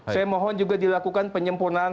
saya mohon juga dilakukan penyempurnaan